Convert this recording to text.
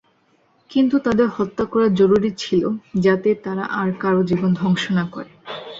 কিন্তু তাদের হত্যা করা জরুরি ছিল যাতে তারা আর কারো জীবন ধ্বংস না করে।